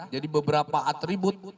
jadi beberapa atribut